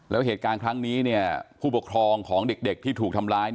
แล้วเหตุการณ์ครั้งนี้ผู้ปกครองของเด็กที่ถูกทำร้าย